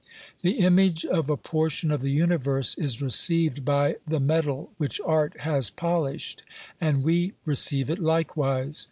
The image of a portion of the universe is received by the metal which art has polished, and we receive it likewise.